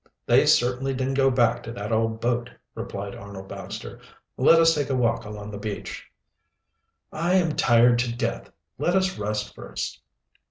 "They certainly didn't go back to that old boat," replied Arnold Baxter. "Let us take a walk along the beach." "I am tired to death. Let us rest first."